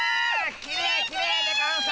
きれいきれいでゴンス！